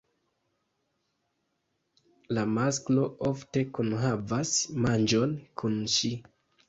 La masklo ofte kunhavas manĝon kun ŝi.